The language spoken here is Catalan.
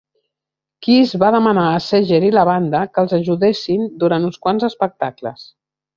Kiss va demanar a Seger i la banda que els ajudessin durant uns quants espectacles.